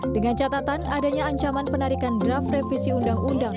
dengan catatan adanya ancaman penarikan draft revisi undang undang